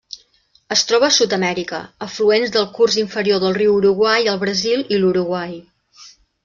Es troba a Sud-amèrica: afluents del curs inferior del riu Uruguai al Brasil i l'Uruguai.